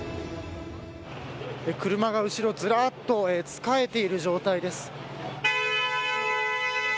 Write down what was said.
車が後ろずらっとつかえている状態です。